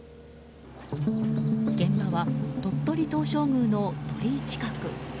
現場は鳥取東照宮の鳥居近く。